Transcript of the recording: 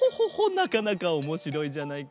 なかなかおもしろいじゃないか。